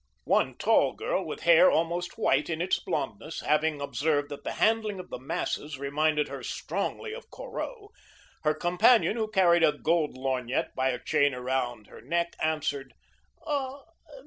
One tall girl, with hair almost white in its blondness, having observed that the handling of the masses reminded her strongly of Corot, her companion, who carried a gold lorgnette by a chain around her neck, answered: "Ah!